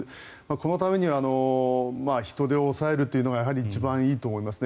このためには人出を抑えるというのがやはり一番いいと思いますね。